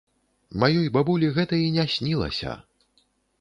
Маёй бабулі гэта і не снілася!